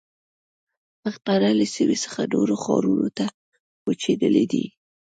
پښتانه له سیمې څخه نورو ښارونو ته کوچېدلي دي.